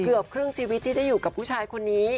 เกือบครึ่งชีวิตที่ได้อยู่กับผู้ชายคนนี้